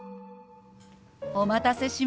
お待たせしました。